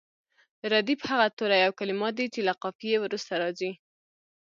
ردیف هغه توري او کلمات دي چې له قافیې وروسته راځي.